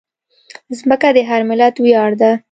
مځکه د هر ملت ویاړ ده.